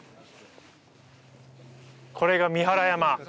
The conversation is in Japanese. これが三原山。